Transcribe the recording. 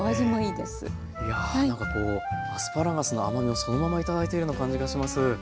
いやなんかこうアスパラガスの甘みをそのまま頂いているような感じがします。